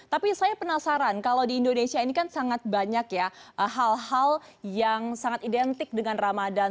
tapi saya penasaran kalau di indonesia ini kan sangat banyak ya hal hal yang sangat identik dengan ramadan